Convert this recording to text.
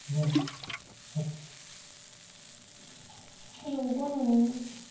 白５の二。